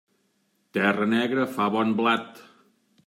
Terra negra fa bon blat.